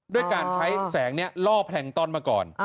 ด้วยการใช้แสงนี้ล่อแพลงต้อนมาก่อน